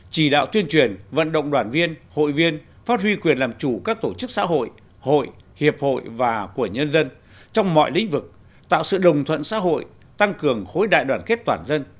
chỉ đạo tuyên truyền vận động đoàn viên hội viên phát huy quyền làm chủ các tổ chức xã hội hội hiệp hội và của nhân dân trong mọi lĩnh vực tạo sự đồng thuận xã hội tăng cường khối đại đoàn kết toàn dân